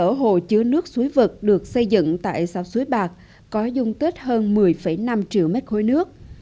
trên cơ sở hồ chứa nước suối vật được xây dựng tại sao suối bạc có dung tích hơn một mươi năm triệu m ba nước